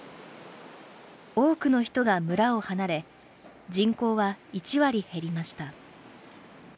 多くの人が村を離れ、人口は１割減りました。